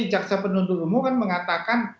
jaksa penuntut umum kan mengatakan